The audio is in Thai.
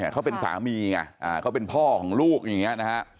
เขาเป็นสามีไงเขาเป็นพ่อของลูกอย่างนี้นะฮะ